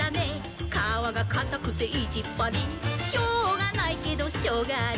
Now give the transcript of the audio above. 「かわがかたくていじっぱり」「しょうがないけどショウガある」